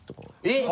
えっ。